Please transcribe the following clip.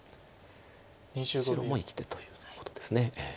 白も生きてということです。